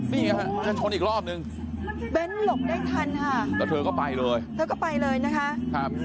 นี่ฮะเธอชนอีกรอบนึงเบ้นหลบได้ทันค่ะแล้วเธอก็ไปเลยเธอก็ไปเลยนะคะครับ